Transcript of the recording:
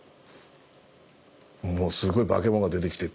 もうすごい化けもんが出てきてって。